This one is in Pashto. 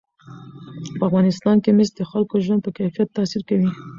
په افغانستان کې مس د خلکو د ژوند په کیفیت تاثیر کوي.